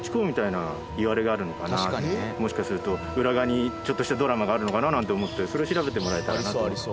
もしかすると裏側にちょっとしたドラマがあるのかななんて思ってそれを調べてもらえたらなと思ってます。